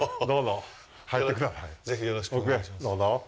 どうぞ。